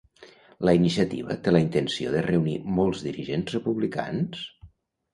La iniciativa té la intenció de reunir molts dirigents republicans?